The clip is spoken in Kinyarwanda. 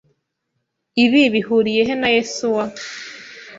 Ibi bihuriye he na Yesuwa?